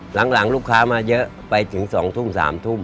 หลังลูกค้ามาเยอะไปถึง๒ทุ่ม๓ทุ่ม